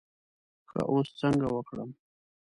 ښه اوس څنګه وکړم.